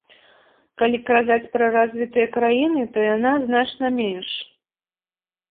Калі казаць пра развітыя краіны, то яна значна менш.